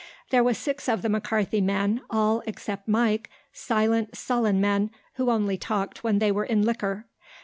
There were six of the McCarthy men, all, except Mike, silent, sullen men who only talked when they were in liquor.